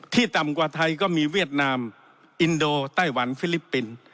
ต่ำกว่าไทยก็มีเวียดนามอินโดไต้หวันฟิลิปปินส์